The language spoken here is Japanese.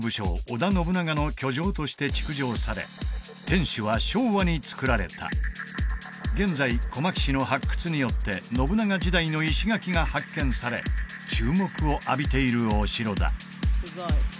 織田信長の居城として築城され天守は昭和に造られた現在小牧市の発掘によって信長時代の石垣が発見され注目を浴びているお城だ